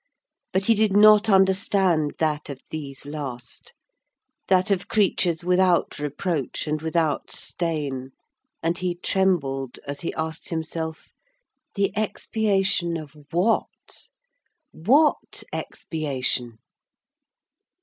But he did not understand that of these last, that of creatures without reproach and without stain, and he trembled as he asked himself: The expiation of what? What expiation?